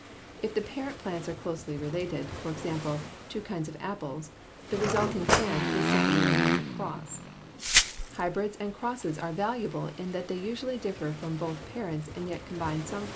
If the parent plants are closely related, for example, two kinds of apples, the resulting plant is known simply as a cross. Hybrids and crosses are valuable in that they usually differ from both parents and yet combine some qualities of each. [Illustration: FIG.